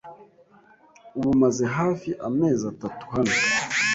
Ubu maze hafi amezi atatu hano.